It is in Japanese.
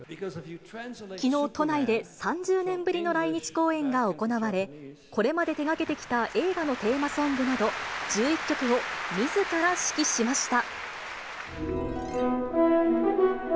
きのう、都内で３０年ぶりの来日公演が行われ、これまで手がけてきた映画のテーマソングなど、１１曲をみずから指揮しました。